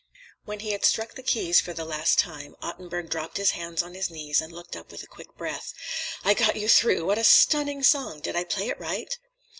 When he had struck the keys for the last time, Ottenburg dropped his hands on his knees and looked up with a quick breath. "I got you through. What a stunning song! Did I play it right?"